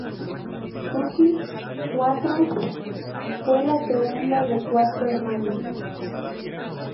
Suzy Quatro fue la segunda de cuatro hermanos.